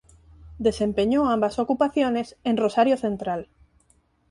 Desempeñó ambas ocupaciones en Rosario Central.